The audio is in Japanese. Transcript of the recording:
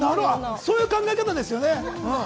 そういう考え方ですよね。